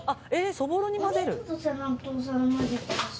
そぼろに混ぜる？」